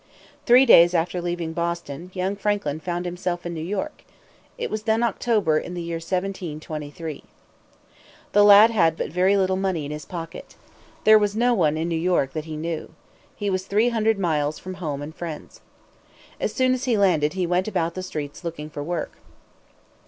Three days after leaving Boston, young Franklin found himself in New York. It was then October, in the year 1723. The lad had but very little money in his pocket. There was no one in New York that he knew. He was three hundred miles from home and friends. As soon as he landed he went about the streets looking for work.